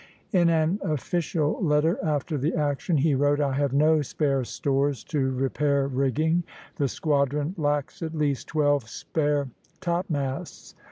In an official letter after the action he wrote: "I have no spare stores to repair rigging; the squadron lacks at least twelve spare topmasts."